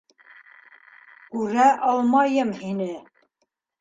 Күрә алмайым һине!